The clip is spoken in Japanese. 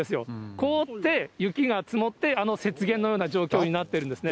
凍って雪が積もって、あの雪原のような状況になってるんですね。